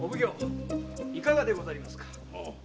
いかがでございますか？